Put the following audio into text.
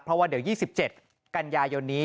เพราะว่าเดี๋ยว๒๗กันยายนนี้